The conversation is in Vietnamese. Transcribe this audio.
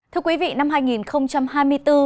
thưa quý vị năm hai nghìn hai mươi bốn